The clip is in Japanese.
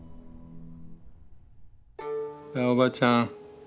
おばあちゃん。